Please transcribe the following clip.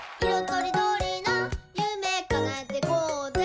とりどりなゆめかなえてこうぜ！」